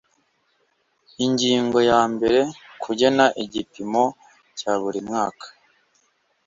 ingingo ya mbere kugena igipimo cya buri mwaka